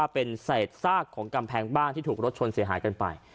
เป็นเศษซากของกำแพงบ้านที่ถูกรถชนเสียหายกันไป